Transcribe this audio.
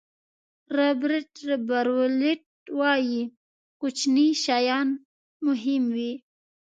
رابرټ براولټ وایي کوچني شیان مهم وي.